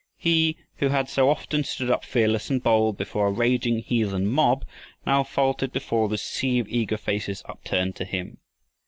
He who had so often stood up fearless and bold before a raging heathen mob, now faltered before this sea of eager faces, upturned to him.